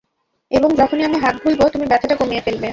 এবং যখনই আমি হাত ভুলব, তুমি ব্যথাটা কমিয়ে ফেলবে।